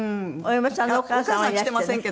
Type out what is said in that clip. お母さんは来てませんけどね。